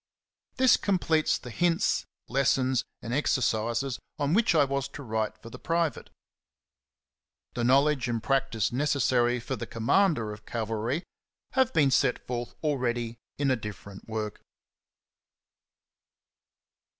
This completes the hints, lessons, and ex ercises on which I was to write for the pri vate. The knowledge and practice necessary for the commander of cavalry have been set forth already in a different work.